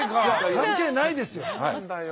関係ないですよ。